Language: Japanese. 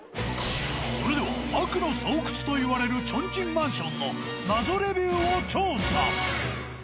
それでは悪の巣窟といわれるチョンキンマンションの謎レビューを調査。